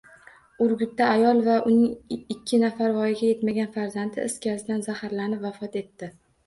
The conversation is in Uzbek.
Urgutda ayol va uning ikki nafar voyaga yetmagan farzandi is gazidan zaharlanib, vafot etdi